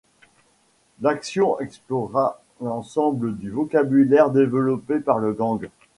L’action explora l’ensemble du vocabulaire développé par le Gang.